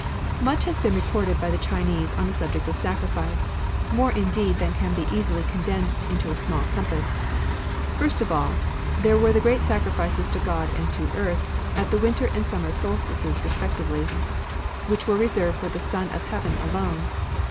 Much has been recorded by the Chinese Sacrifices. iv i_. . i? /i • j j on the subject of sacnnce, — more mdeed than can be easily condensed into a small compass. First of all, there were the great sacrifices to God and to Earth, at the winter and summer solstices respectively, which were reserved for the Son of Heaven alone.